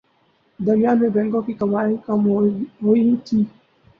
درمیان میں بینکوں کی کمائیاں کم ہوئیں تھیں